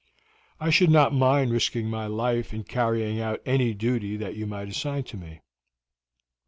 I should not mind risking my life in carrying out any duty that you might assign to me.